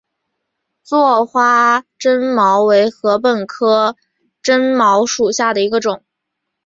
座花针茅为禾本科针茅属下的一个种。